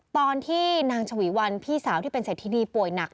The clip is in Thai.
ตอนที่นางฉวีวันพี่สาวที่เป็นเศรษฐินีป่วยหนัก